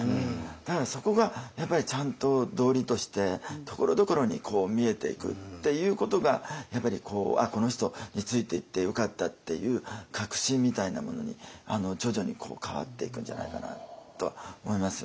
だからそこがやっぱりちゃんと道理としてところどころに見えていくっていうことがやっぱり「あっこの人についていってよかった」っていう確信みたいなものに徐々に変わっていくんじゃないかなとは思いますよね。